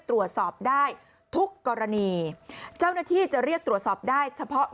ตรวจสอบได้ทุกกรณีเจ้าหน้าที่จะเรียกตรวจสอบได้เฉพาะ